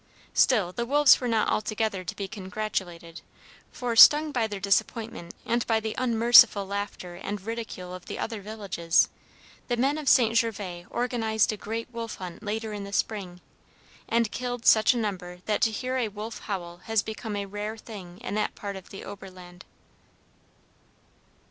Still, the wolves were not altogether to be congratulated; for, stung by their disappointment and by the unmerciful laughter and ridicule of the other villages, the men of St. Gervas organized a great wolf hunt later in the spring, and killed such a number that to hear a wolf howl has become a rare thing in that part of the Oberland.